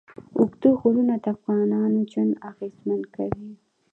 اوږده غرونه د افغانانو ژوند اغېزمن کوي.